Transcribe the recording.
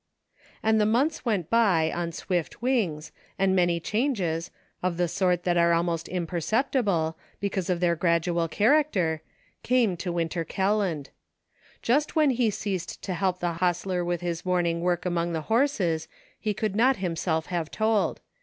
And the months went by on swift wings, and many changes, of the sort that are almost imper ceptible, because of their gradual character, came to Winter Kelland. Just when he ceased to help the hostler with his morning work among the horses, he could not himself have told.